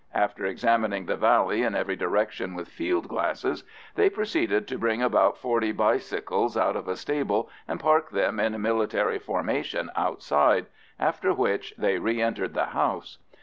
After examining the valley in every direction with field glasses, they proceeded to bring about forty bicycles out of a stable and park them in military formation outside, after which they re entered the house.